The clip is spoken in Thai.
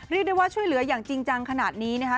เรียกได้ว่าช่วยเหลืออย่างจริงจังขนาดนี้นะคะ